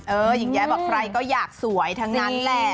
หญิงแย้บอกใครก็อยากสวยทั้งนั้นแหละ